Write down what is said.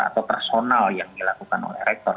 atau personal yang dilakukan oleh rektor